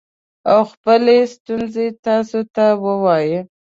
او خپلې ستونزې تاسو ته ووايي